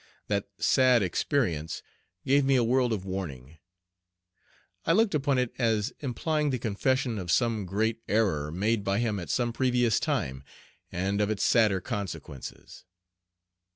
That "sad experience" gave me a world of warning. I looked upon it as implying the confession of some great error made by him at some previous time, and of its sadder consequences.